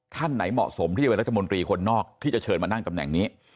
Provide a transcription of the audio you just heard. ท่านไหนเหมาะสมที่จะเป็นรัฐมนตรีคนนอกที่จะเชิญมานั่งตำแหน่งนี้